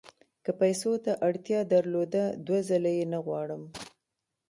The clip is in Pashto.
که پیسو ته اړتیا درلوده دوه ځله یې نه غواړم.